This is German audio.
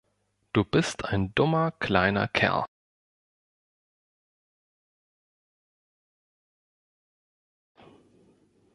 Du bist ein dummer kleiner Kerl.